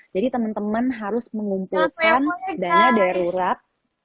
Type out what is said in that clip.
jadi teman teman harus mengumpulkan dana darurat